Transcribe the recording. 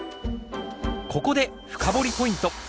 ここで深掘りポイント！